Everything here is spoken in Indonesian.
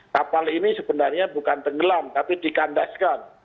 kapal ini sebenarnya bukan tenggelam tapi dikandaskan